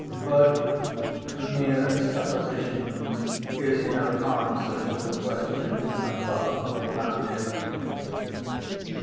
But mere "supposition" is no answer to the question above propounded.